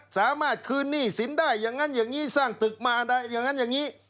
สามารถคืนหนี้สินได้อย่างนั้นอย่างนี้สร้างตึกมาได้อย่างนั้นอย่างนี้